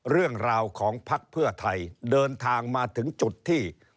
เรื่องราวของภักดิ์เพื่อไทยเดินทางมาถึงจุดที่